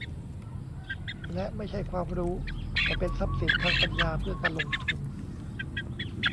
และไม่ใช่ความรู้ แต่เป็นทรัพย์สินทางปัญญา เพื่อการลงทุน